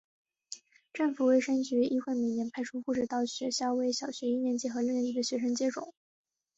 政府卫生局亦会每年派出护士到学校为小学一年级和六年级的学生接种。